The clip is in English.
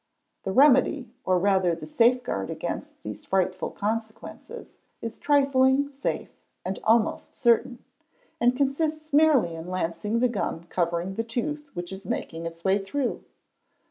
The remedy, or rather the safeguard against these frightful consequences, is trifling, safe, and almost certain, and consists merly in lancing the gum covering the tooth which is making its way through.